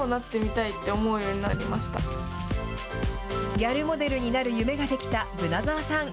ギャルモデルになる夢が出来た樗澤さん。